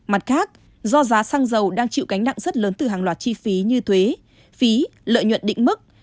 mặt khác do giá xăng dầu đang chịu gánh nặng rất lớn từ hàng loạt chi phí như thuế phí lợi nhuận định mức